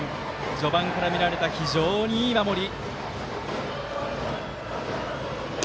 序盤から見られた非常にいい守り。